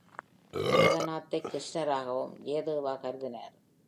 ஜெகந்நாத்தை கிருஷ்ணராகவும் ஜெயதேவா கருதினார்.